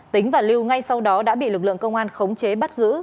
tính và lưu ngay sau đó đã bị lực lượng công an khống chế bắt giữ